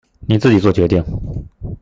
你自己作決定